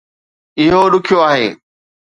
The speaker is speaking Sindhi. اهو ڏکيو آهي